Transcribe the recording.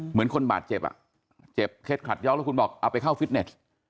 เหมือนคนบาดเจ็บอ่ะเจ็บเคล็ดขัดยอกแล้วคุณบอกเอาไปเข้าฟิตเนส